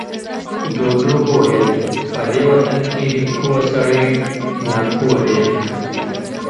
جوجو وويل، په دې وطن کې پوه سړی ناپوه دی.